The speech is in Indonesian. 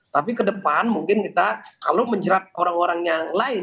tapi ke depan mungkin kita kalau menjerat orang orang yang lain